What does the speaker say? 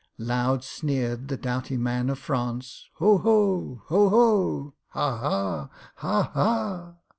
Loud sneered the doughty man of France, "Ho! ho! Ho! ho! Ha! ha! Ha! ha!"